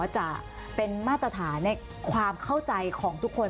จะเป็นมาตรฐานในความเข้าใจของทุกคน